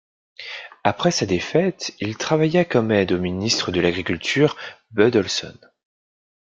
Après sa défaite, il travailla comme aide au ministre de l'Agriculture Bud Olson.